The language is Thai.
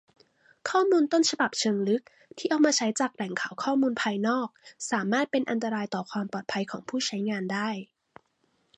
ข้อมูลต้นฉบับเชิงลึกที่เอามาใช้จากแหล่งข้อมูลภายนอก สามารถเป็นอันตรายต่อความปลอดภัยของผู้ใช้งานได้